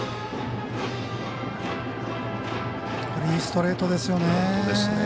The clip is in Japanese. いいストレートですよね。